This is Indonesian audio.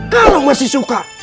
kamu masih suka